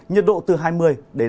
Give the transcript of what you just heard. nhiệt độ từ hai mươi hai mươi sáu độ